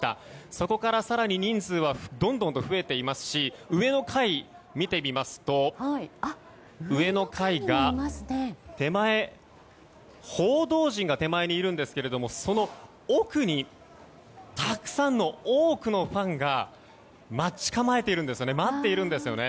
そこから更に人数はどんどんと増えていますし上の階を見てみますと報道陣が手前にいるんですけれどもその奥にたくさんの多くのファンが待っているんですよね。